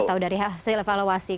atau dari hasil evaluasi